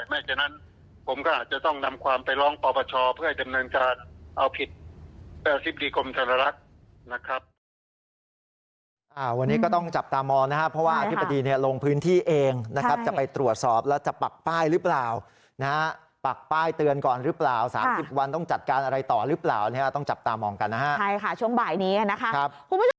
ฉะนั้นผมก็อาจจะต้องนำความไปร้องปปชเพื่อให้ดำเนินการเอาผิดอธิบดีกรมธนลักษณ์นะครับ